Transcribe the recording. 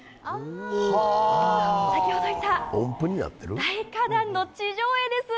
先ほど言った大花壇の地上絵です。